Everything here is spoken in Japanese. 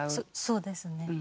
そうですね。